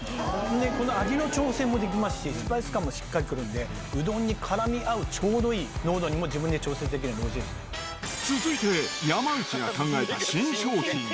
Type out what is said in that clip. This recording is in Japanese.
で、味の調整もできますし、スパイス感もしっかりしてるんで、うどんにからみ合うちょうどいい濃度にも自分で調節できるのでおいしい続いて、山内が考えた新商品。